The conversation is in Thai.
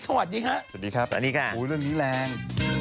สวัสดีครับสวัสดีค่ะอุ๊ยเรื่องนี้แรง